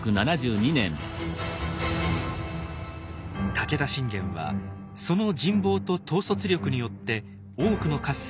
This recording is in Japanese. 武田信玄はその人望と統率力によって多くの合戦を勝ち抜いてきた名将。